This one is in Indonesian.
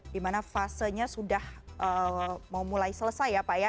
di mana fasenya sudah mau mulai selesai ya pak ya